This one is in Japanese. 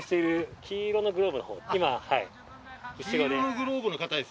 今後ろで。